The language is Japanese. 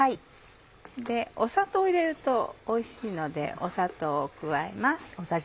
砂糖を入れるとおいしいので砂糖を加えます。